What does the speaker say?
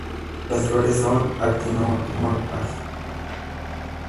Las flores son actinomorfas.